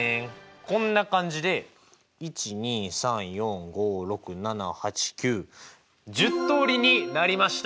こんな感じで１２３４５６７８９１０通りになりました！